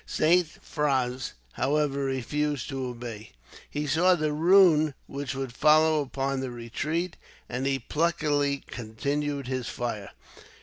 Saint Frais, however, refused to obey. He saw the ruin which would follow upon the retreat, and he pluckily continued his fire.